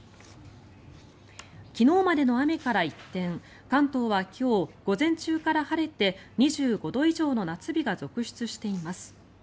昨日までの雨から一転関東は今日午前中から晴れて２５度以上の夏日が続出しています。